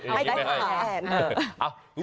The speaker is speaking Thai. ไม่ให้ไม่ให้